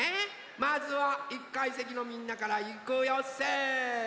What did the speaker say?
まずは１かいせきのみんなからいくよせの！